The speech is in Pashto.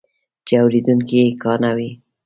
چې اورېدونکي یې کاڼه وي.